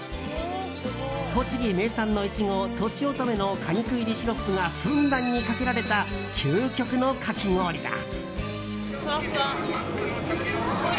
栃木名産のイチゴとちおとめの果肉入りシロップがふんだんにかけられた究極のかき氷だ。